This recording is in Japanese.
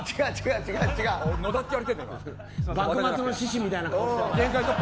幕末の志士みたいな顔しとる。